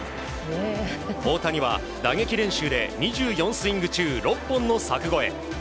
大谷は打撃練習で２４スイング中６本の柵越え。